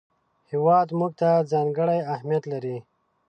هېواد موږ ته ځانګړی اهمیت لري